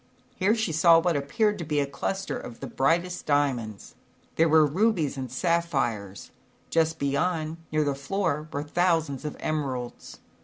Here she saw what appeared to be a cluster of the brightest diamonds. There were rubies and sapphires; just beyond, near the floor, were thousands of emeralds.